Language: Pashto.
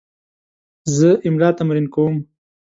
زه املا تمرین کوم.